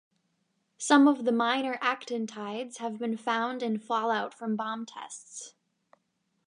Some of the minor actinides have been found in fallout from bomb tests.